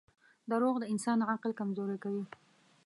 • دروغ د انسان عقل کمزوری کوي.